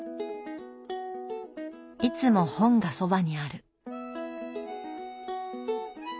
いつも本がそばにある。